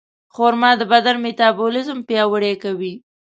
خرما د بدن میتابولیزم پیاوړی کوي.